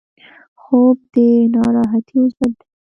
خوب د ناراحتیو ضد دی